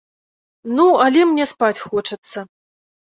Ну, але мне спаць хочацца!